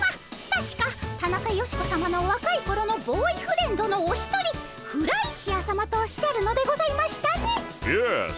たしかタナカヨシコさまのわかいころのボーイフレンドのお一人フライシアさまとおっしゃるのでございましたね。